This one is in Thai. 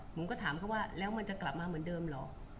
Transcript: ผมก็ถามเขาว่าแล้วมันจะกลับมาเหมือนเดิมเหรอ